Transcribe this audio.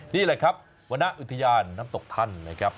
นี่แหละครับหัวหน้าอุทยานน้ำตกท่านนะครับ